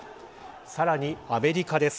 さらに、アメリカです。